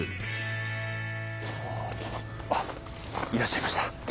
あっいらっしゃいました。